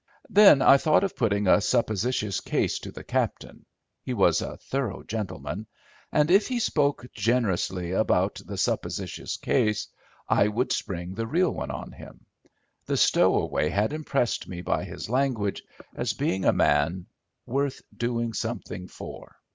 Then I thought of putting a supposititious case to the captain—he was a thorough gentleman—and if he spoke generously about the supposititious case I would spring the real one on him. The stowaway had impressed me by his language as being a man worth doing something for.